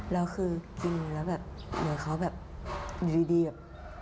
แล้วคือกินแล้วแบบเดี๋ยวเขาแบบดีแบบ